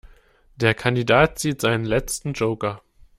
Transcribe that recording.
Der Kandidat zieht seinen letzten Joker.